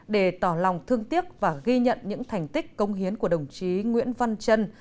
để tỏ lòng thương tiếc và ghi nhận những thành tích công hiến của đồng chí nguyễn văn trân